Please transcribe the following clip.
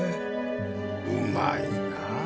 うまいなあ